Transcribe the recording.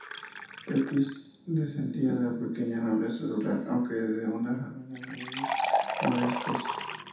Pepys descendía de la pequeña nobleza rural, aunque de una familia de medios modestos.